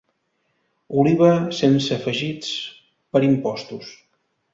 Oliva sense afegits per impostos.